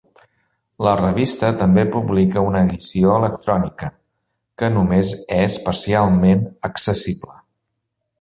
La revista també publica una edició electrònica, que només és parcialment accessible.